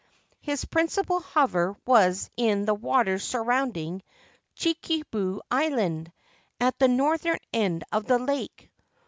His principal hover was in the waters surrounding Chikubu Island, at the northern end of the lake.